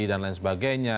dan lain sebagainya